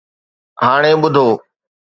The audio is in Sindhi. هاڻي ٻڌو.